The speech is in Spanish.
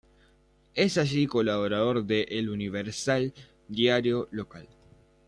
Es allí colaborador de El Universal, diario local.